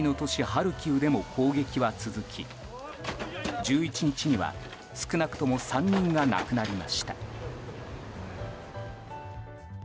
ハルキウでも攻撃は続き１１日には、少なくとも３人が亡くなりました。